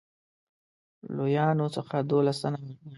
لویانو څخه دوولس تنه ووژل.